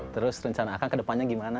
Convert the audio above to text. terus rencana akan kedepannya gimana